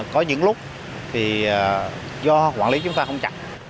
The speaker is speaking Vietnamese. có những lúc thì do quản lý chúng ta không chặn